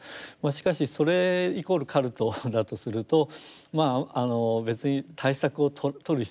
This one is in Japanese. しかしそれイコールカルトだとすると別に対策を取る必要もない。